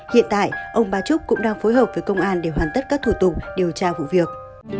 hiện tại ông ba trúc cũng đang phối hợp với công an để hoàn tất các thủ tục điều tra vụ việc